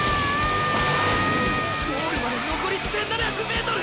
ゴールまでのこり１７００ｍ！！